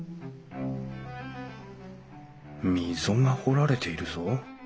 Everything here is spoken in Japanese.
溝が彫られているぞ。